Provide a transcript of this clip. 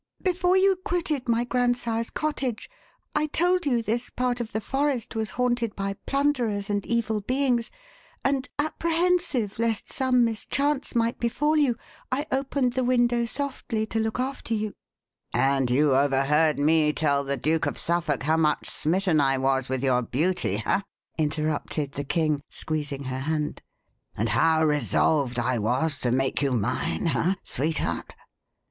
Before you quitted my grandsire's cottage I told you this part of the forest was haunted by plunderers and evil beings, and apprehensive lest some mischance might befall you, I opened the window softly to look after you " "And you overheard me tell the Duke of Suffolk how much smitten I was with your beauty, ha?" interrupted the king, squeezing her hand "and how resolved I was to make you mine ha! sweetheart?"